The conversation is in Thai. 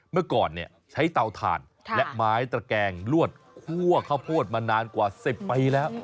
เมื่อก่อนใช้เตาถ่านและไม้ตระแกงลวดคั่วข้าวโพดมานานกว่า๑๐ปีแล้ว